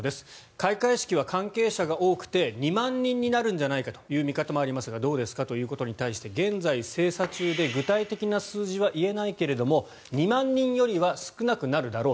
開会式は関係者が多くて２万人になるんじゃないかという見方もありますがどうですかということに対して現在、精査中で具体的な数字は言えないけども２万人よりは少なくなるだろう。